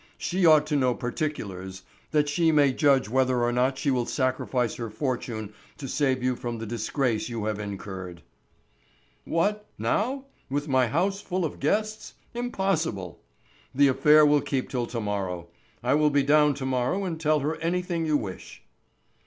She ought to know particulars, that she may judge whether or not she will sacrifice her fortune to save you from the disgrace you have incurred." "What, now, with my house full of guests? Impossible. The affair will keep till to morrow. I will be down to morrow and tell her anything you wish."